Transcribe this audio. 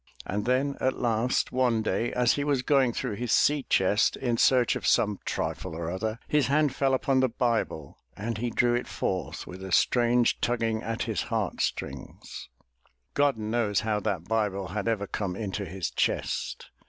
And then at last one day as he was going through his sea chest in search of some trifle or other, his hand fell upon the Bible and he drew it forth with a strange tugging at his heart strings. Gdd 334 THE TREASURE CHEST knows how that Bible had ever come into his chest.